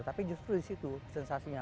tapi justru disitu sensasinya